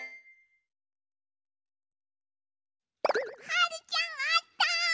はるちゃんあった！